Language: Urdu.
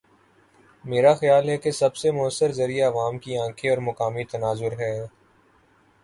میرا خیال ہے کہ سب سے موثر ذریعہ عوام کی آنکھیں اور مقامی تناظر ہے۔